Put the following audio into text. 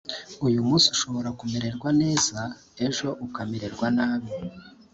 uyu munsi ushobora kumererwa neza ijo ukamererwa nabi